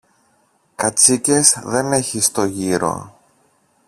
Κατσίκες δεν έχει στο γύρο!